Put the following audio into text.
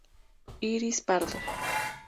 Iris pardo.